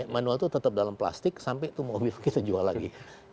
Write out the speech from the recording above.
manual itu tetap dalam plastik sampai itu mobil kita jual lagi